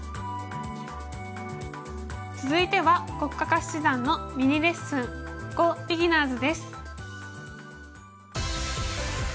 続いては黒嘉嘉七段のミニレッスン「ＧＯビギナーズ」です。